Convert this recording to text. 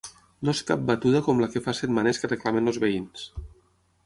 No és cap batuda com la que fa setmanes que reclamen els veïns.